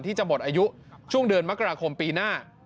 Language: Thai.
ที่จะหมดอายุช่วงเดือนมกราคมปีหน้า